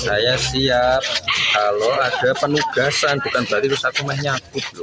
saya siap kalau ada penugasan bukan berarti harus aku meh nyakut loh